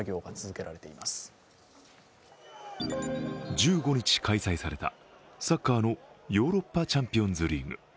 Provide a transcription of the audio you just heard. １５日開催されたサッカーのヨーロッパチャンピオンズリーグ。